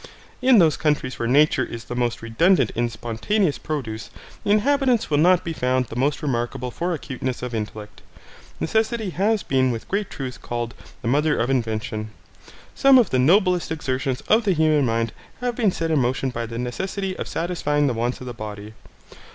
In those countries where nature is the most redundant in spontaneous produce the inhabitants will not be found the most remarkable for acuteness of intellect. Necessity has been with great truth called the mother of invention. Some of the noblest exertions of the human mind have been set in motion by the necessity of satisfying the wants of the body.